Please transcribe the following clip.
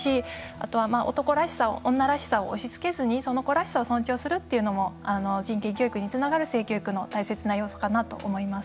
あと男らしさ、女らしさを押しつけずに、その子らしさを尊重するっていうのも人権教育につながる性教育の大切な要素かなと思います。